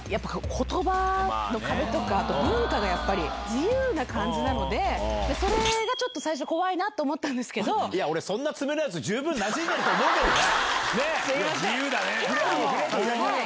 ことばの壁とか、あと文化がやっぱり、自由な感じなので、それがちょっと最初、怖いなと思いや、俺、そんな爪のやつ、十分なじんでると思うけどな。